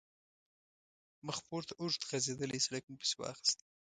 مخپورته اوږد غځېدلی سړک مو پسې واخیست.